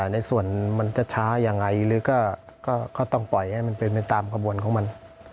ในส่วนมันจะช้ายังไงหรือก็ต้องปล่อยให้มันเป็นไปตามกระบวนของมัน